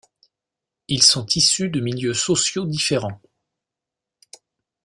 Ils sont issus de milieu sociaux différents.